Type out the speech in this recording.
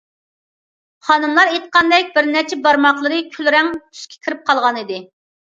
خانىملار ئېيتقاندەك، بىر نەچچە بارماقلىرى كۈل رەڭ تۈسكە كىرىپ قالغانىدى.